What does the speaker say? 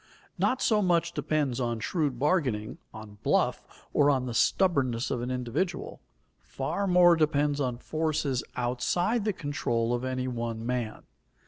Not so much depends on shrewd bargaining, on bluff, or on the stubbornness of an individual. Far more depends on forces outside the control of any one man.